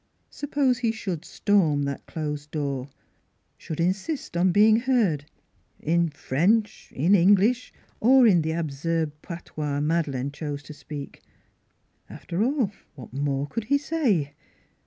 Suppose he should storm that closed door should insist upon being heard in French, in English or in the absurd patois Madeleine chose to speak? ... After all, what more could he say?